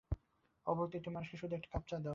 অভূক্ত একটি মানুষকে শুধু এক কাপ চা যেন দিতে না হয়।